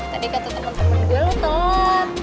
tadi kata temen temen gue loh ton